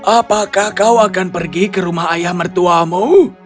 apakah kau akan pergi ke rumah ayah mertuamu